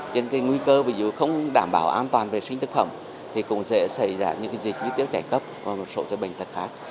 trên cái nguy cơ ví dụ không đảm bảo an toàn vệ sinh thực phẩm thì cũng dễ xảy ra những dịch như tiếu chảy cấp và một số dịch bệnh thật khác